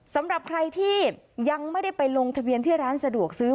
สำหรับใครที่ยังไม่ได้ไปลงทะเบียนที่ร้านสะดวกซื้อ